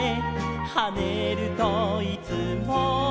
「はねるといつも」